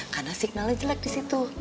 karena signalnya jelek disitu